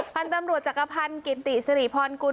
พันธุ์ตำรวจจักรพันธ์กิติสิริพรกุล